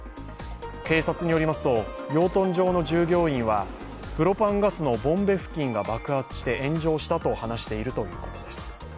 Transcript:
警察によりますと養豚場の従業員はプロパンガスのボンベ付近が爆発して炎上したと話しているということです。